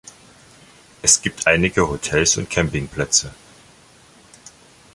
Es gibt einige Hotels und Campingplätze.